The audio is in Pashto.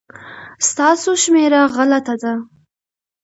ستاسو شمېره غلطه ده